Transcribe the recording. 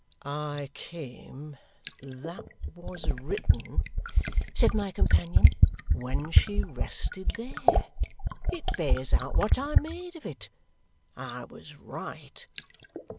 "'I came.' That was written," said my companion, "when she rested there. It bears out what I made of it. I was right."